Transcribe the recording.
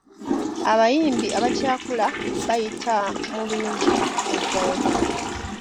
Abayimbi abakyakula bayita mu bingi okweggyayo.